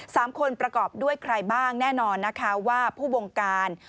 สามคนประกอบด้วยใครบ้างแน่นอนนะคะว่าผู้บงการ